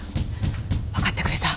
わかってくれた？